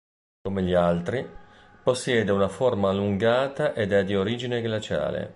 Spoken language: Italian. Come gli altri, possiede una forma allungata ed è di origine glaciale.